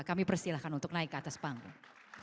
kami persilahkan untuk naik ke atas panggung